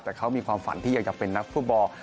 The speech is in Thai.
แต่เขามีความฝันที่อยากจะเป็นนักฟุตบอล